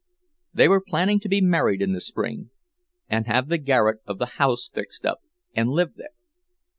They were planning to be married in the spring, and have the garret of the house fixed up, and live there.